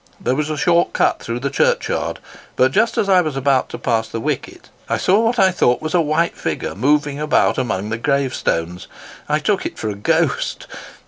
There was a short cut through the Churchyard, but just as I was about to pass the wicket, I saw what I thought was a white figure moving about amongst the grave stones. I took it for a ghost!